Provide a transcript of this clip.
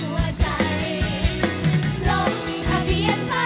หัวใจลงทะเบียนฝากไว้ตัวเอาซ้ำไป